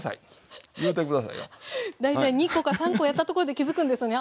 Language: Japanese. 大体２コか３コやったところで気付くんですよね